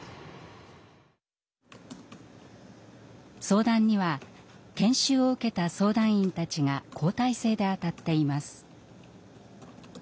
相談には研修を受けた相談員たちが交代制であたっています。